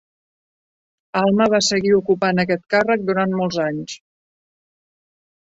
Alma va seguir ocupant aquest càrrec durant molts anys.